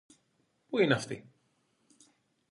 Πού είναι αυτή;